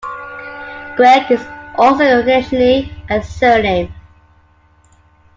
Greg is also occasionally a surname.